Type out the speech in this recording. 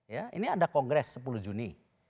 ya ini ada kongres sepuluh juni